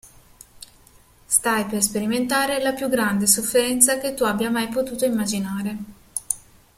Stai per sperimentare la più grande sofferenza che tu abbia mai potuto immaginare.